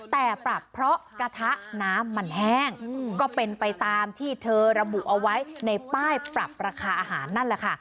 แต่ปรับเพราะกระทะน้ำมันแห้งก็เป็นไปตามที่เธอระบุเอาไว้ในป้ายปรับราคาอาหารนั่นแหละค่ะ